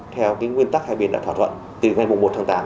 theo nguyên tắc hai bên đã thỏa thuận từ ngày một tháng tám